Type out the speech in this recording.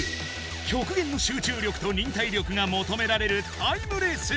きょくげんの集中力と忍耐力がもとめられるタイムレース。